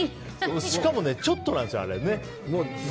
しかもちょっとなんですよね。